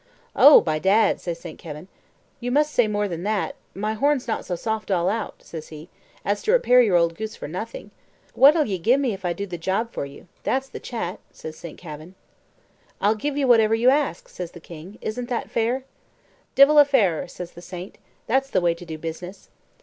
"Oh, by dad," says St. Kavin, "you must say more nor that my horn's not so soft all out," says he, "as to repair your old goose for nothing; what'll you gi' me if I do the job for you? that's the chat," says St. Kavin. "I'll give you whatever you ask," says the king; "isn't that fair?" "Divil a fairer," says the saint; "that's the way to do business.